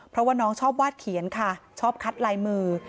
เพราะว่าน้องชอบวาดเขียนค่ะชอบคัดลายมือ